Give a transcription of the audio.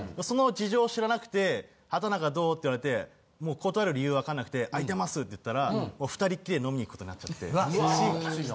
その事情を知らなくて「畠中どう？」って言われてもう断る理由分かんなくて「空いてます」って言ったら２人っきりで飲みに行くことになっちゃって。